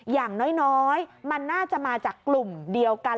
อย่างน้อยมันน่าจะมาจากกลุ่มเดียวกัน